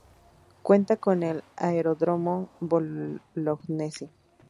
Cuenta con el Aeródromo Bolognesi.